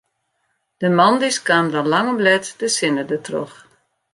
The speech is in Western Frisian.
De moandeis kaam dan lang om let de sinne dertroch.